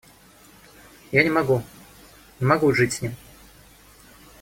Я не могу, не могу жить с ним.